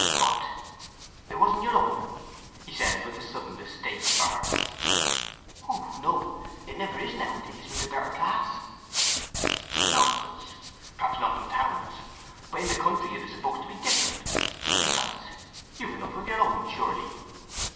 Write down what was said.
"What—it wasn't your own?" he said, with a sudden distaste for her. "Oh no—it never is nowadays with the better class." "Nonsense! Perhaps not in towns. But in the country it is supposed to be different. Besides, you've enough of your own, surely?"